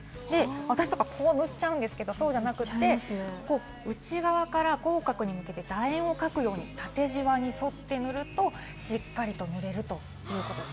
私とか、こう塗っちゃうんですけれども、そうじゃなくて、内側から広角に向けて楕円を書くように縦じわに沿って塗ると、しっかりと塗れるということです。